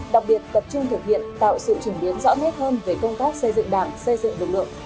đặc biệt tập trung thực hiện tạo sự chuyển biến rõ nét hơn về công tác xây dựng đảng xây dựng lực lượng